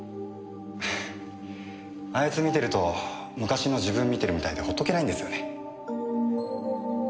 あいつ見てると昔の自分見てるみたいで放っとけないんですよね。